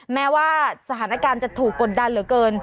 แม้ว่าสถานการณ์จะถูกกดดันเหลือเกิน